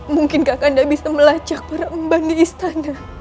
mungkinkah kanda bisa melacak para umban di istana